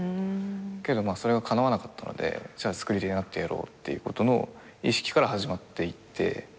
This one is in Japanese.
けどそれがかなわなかったので作り手になってやろうっていうことの意識から始まっていって。